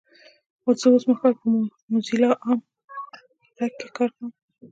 زه اوسمهال په موځیلا عام غږ کې کار کوم 😊!